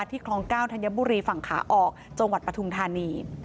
คลอง๙ธัญบุรีฝั่งขาออกจังหวัดปฐุมธานี